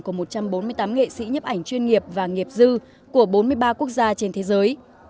của một trăm bốn mươi tám nghệ sĩ nhấp ảnh chuyên nghiệp và nghiệp dư của bốn mươi ba quốc gia trên thế giới